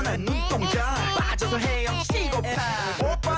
นาน้อหลมดาอุนากา